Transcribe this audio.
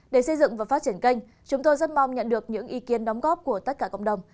để xây dựng và phát triển kênh chúng tôi rất mong nhận được những ý kiến đóng góp của tất cả cộng đồng